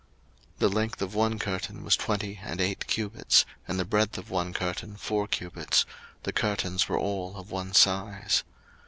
02:036:009 The length of one curtain was twenty and eight cubits, and the breadth of one curtain four cubits: the curtains were all of one size.